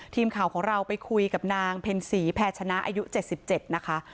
ทีมข่าวของเราไปคุยกับนางเพ็ญศรีแพ้ชนะอายุ๗๗นะคะ